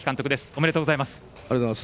ありがとうございます。